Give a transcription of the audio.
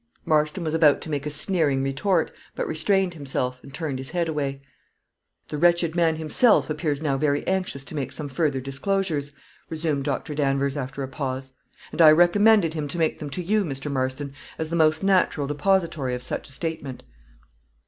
Marston was about to make a sneering retort, but restrained himself, and turned his head away. "The wretched man himself appears now very anxious to make some further disclosures," resumed Doctor Danvers, after a pause, "and I recommended him to make them to you, Mr. Marston, as the most natural depository of such a statement."